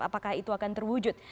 apakah itu akan terwujud